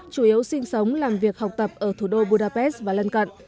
chủ yếu sinh sống làm việc học tập ở thủ đô budapest và lân cận